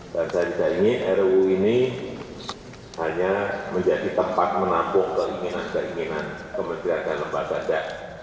dan saya tidak ingin ruu ini hanya menjadi tempat menampung keinginan keinginan pemerintah dan lembaga